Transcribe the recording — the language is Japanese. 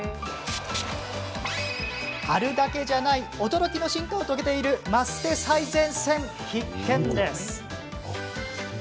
貼るだけじゃない驚きの進化を遂げているマステ最前線、必見です。